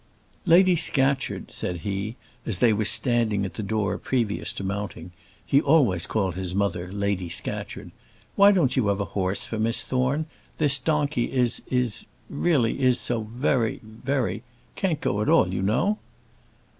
"Lady Scatcherd," said he, as they were standing at the door previous to mounting he always called his mother Lady Scatcherd "why don't you have a horse for Miss Thorne? This donkey is is really is, so very very can't go at all, you know?"